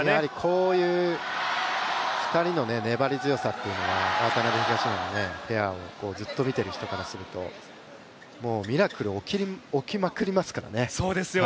こういう２人の粘り強さというのは、渡辺・東野のペアをずっと見ている人からすると、ミラクルが起きまくりますからね。